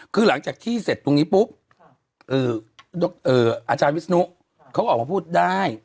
คือหลังจากที่เสร็จตรงนี้ปุ๊บอาจารย์วิศนุเขาออกมาพูดได้